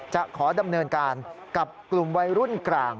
จะขอดำเนินการกับกลุ่มวัยรุ่นกลาง